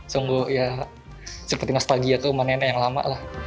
sungguh ya seperti nostalgia itu sama nenek yang lama